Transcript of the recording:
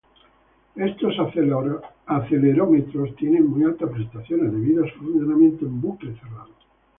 Estos acelerómetros tienen muy altas prestaciones debido a su funcionamiento en bucle cerrado.